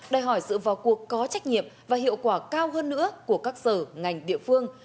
đòi hỏi sự vào cuộc có trách nhiệm và hiệu quả cao hơn nữa của các sở ngành địa phương